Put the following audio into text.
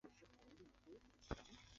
一些建筑材料和配件来自圣嘉禄堂。